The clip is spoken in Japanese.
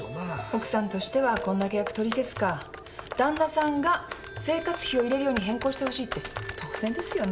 奥さんとしてはこんな契約取り消すか旦那さんが生活費を入れるように変更してほしいって当然ですよね？